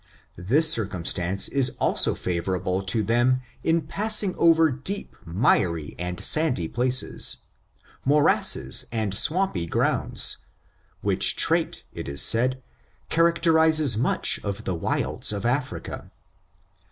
This circumstance is also favor able to them in passing over deep miry and sandy places, morasses and swampy grounds, which trait, it is said, characterizes much of the wilds of Africa.